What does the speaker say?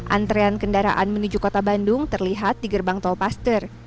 antrean kendaraan menuju kota bandung terlihat di gerbang tolpaster